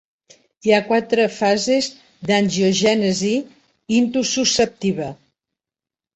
Hi ha quatre fases d'angiogènesi intususceptiva.